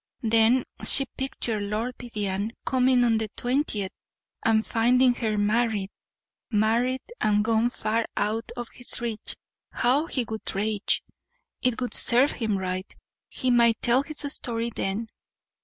Then she pictured Lord Vivianne coming on the twentieth and finding her married married and gone far out of his reach! How he would rage! It would serve him right. He might tell his story then.